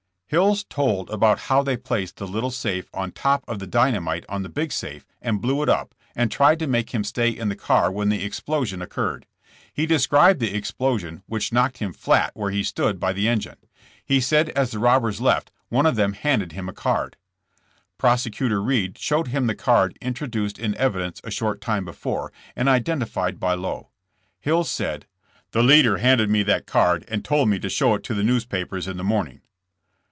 '* Hills told about how they placed the little safe on top of the dynamite on the big safe and blew it up, and tried to make him stay in the car when the explosion occurred. He described the explosion, which knocked him flat where he stood by the en gine. He said as the robbers left one of them handed him a card. Prosecutor Reed showed him the card intro duced in evidence a short time before, and identified by Lowe. Hills said ;*' The leader handed me that card and told me to show it to the newspapers in the morning."